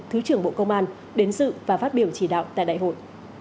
thứ trưởng bộ công an đến dự và phát biểu chỉ đạo tại đại hội